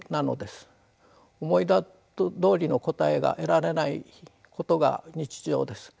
思いどおりの答えが得られないことが日常です。